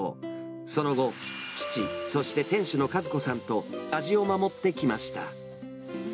その後、父、そして店主の和子さんと味を守ってきました。